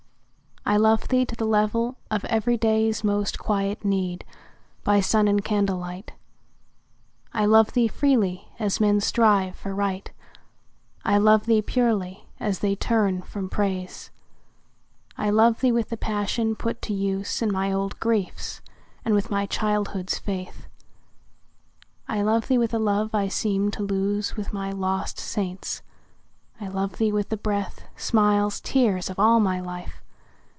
I love thee to the level of everyday's Most quiet need, by sun and candlelight. I love thee freely, as men strive for Right; I love thee purely, as they turn from Praise. I love thee with the passion put to use In my old griefs, and with my childhood's faith. I love thee with a love I seemed to lose With my lost saints,—I love thee with the breath, Smiles, tears, of all my life!